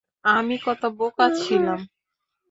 আমি কত বোকা ছিলাম।